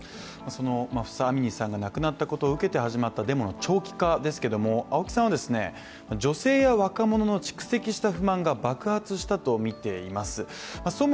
マフサ・アミニさんが亡くなったことを受けて長期化したデモですが青木さんは女性や若者の蓄積した不満が爆発したとみています。